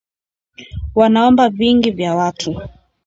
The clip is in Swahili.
wanaomba vingi vya watu